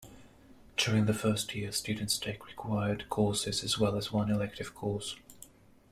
During the first year, students take required courses as well as one elective course.